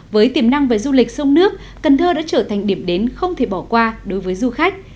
với tiềm năng về du lịch sông nước cần thơ đã trở thành điểm đến không thể bỏ qua đối với du khách